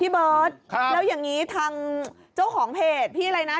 เบิร์ตแล้วอย่างนี้ทางเจ้าของเพจพี่อะไรนะ